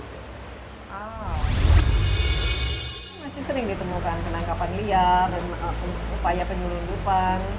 masih sering ditemukan penangkapan liar dan upaya penyelundupan